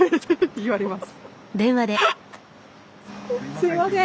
すいません。